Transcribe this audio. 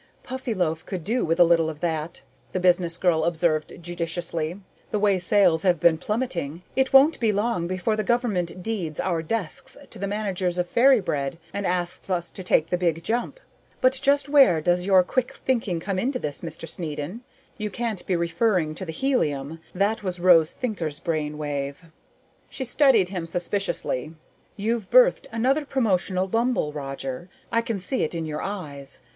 "Puffyloaf could do with a little of that," the business girl observed judiciously. "The way sales have been plummeting, it won't be long before the Government deeds our desks to the managers of Fairy Bread and asks us to take the Big Jump. But just where does your quick thinking come into this, Mr. Snedden? You can't be referring to the helium that was Rose Thinker's brainwave." She studied him suspiciously. "You've birthed another promotional bumble, Roger. I can see it in your eyes.